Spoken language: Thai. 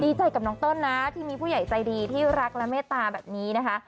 ดีใจกับน้องเติ้ลนะที่มีผู้ใหญ่ใจดีที่รักและเมตตาแบบนี้นะคะ